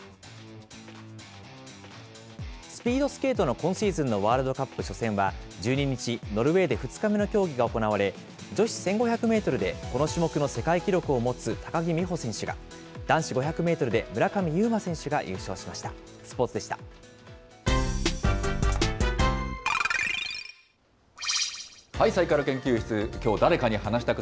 スピードスケートの今シーズンのワールドカップ初戦は、１２日、ノルウェーで２日目の競技が行われ、女子１５００メートルで、この種目の世界記録を持つ高木美帆選手が男子５００メートルで村上右磨選手が優勝しました。